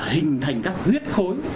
là hình thành các huyết khối